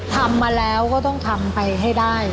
ทำมาแล้วก็ต้องทำไปให้ได้